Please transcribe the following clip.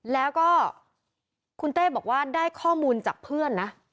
แล้วก็คุณเต้บอกว่าได้ข้อมูลจากเพื่อนนะ